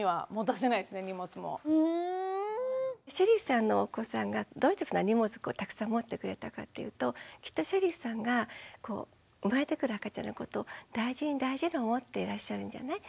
ＳＨＥＬＬＹさんのお子さんがどうしてそんな荷物たくさん持ってくれたかっていうときっとＳＨＥＬＬＹさんがこう生まれてくる赤ちゃんのこと大事に大事に思っていらっしゃるんじゃない？